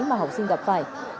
mà học sinh gặp phải